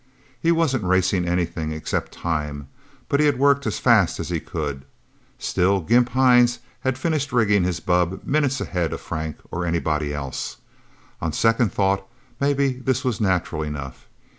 He wasn't racing anything except time, but he had worked as fast as he could. Still, Gimp Hines had finished rigging his bubb, minutes ahead of Frank, or anybody else. On second thought, maybe this was natural enough.